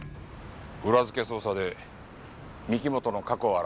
裏付け捜査で御木本の過去を洗った。